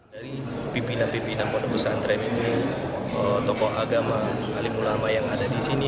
dari pimpinan pimpinan pondok pesantren ini tokoh agama alim ulama yang ada di sini